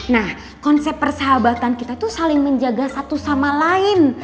nah konsep persahabatan kita itu saling menjaga satu sama lain